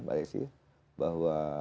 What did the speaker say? mbak aisyah bahwa